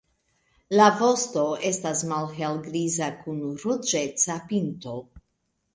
La vosto estas malhelgriza kun ruĝeca pinto.